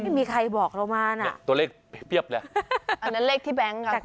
ไม่มีใครบอกเราอะไรตัวเลขมันเปรี้ยบเลยอันนั้นเลขที่แบงส์ค่ะคุณ